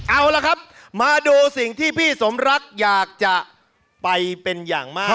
เอาล่ะครับมาดูสิ่งที่พี่สมรักอยากจะไปเป็นอย่างมาก